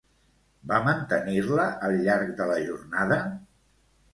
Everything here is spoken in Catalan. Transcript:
Va mantenir-la al llarg de la jornada?